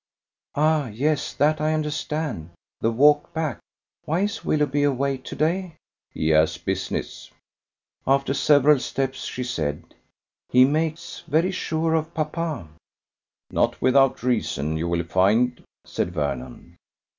"Ah! yes, that I understand. The walk back! Why is Willoughby away to day?" "He has business." After several steps she said: "He makes very sure of papa." "Not without reason, you will find," said Vernon.